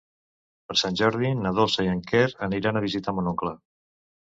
Per Sant Jordi na Dolça i en Quer aniran a visitar mon oncle.